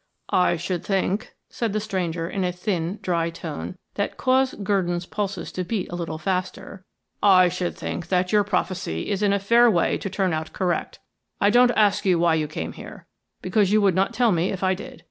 "I should think," said the stranger, in a thin, dry tone, that caused Gurdon's pulses to beat a little faster "I should think that your prophecy is in a fair way to turn out correct. I don't ask you why you came here, because you would not tell me if I did.